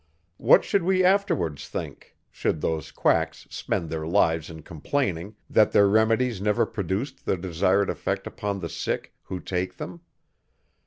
What should we afterwards think, should those quacks spend their lives in complaining, that their remedies never produced the desired effect upon the sick, who take them?